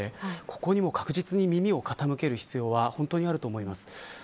ここにも確実に耳を傾ける必要は本当にあると思います。